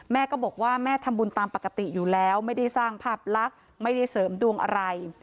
แม่ก็บอกว่าแม่ทำบุญตามปกติอยู่แล้วไม่ได้สร้างภาพลักษณ์ไม่ได้เสริมดวงอะไร